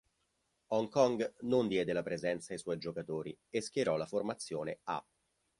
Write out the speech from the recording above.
Hong Kong non diede la presenza ai suoi giocatori e schierò la formazione "A".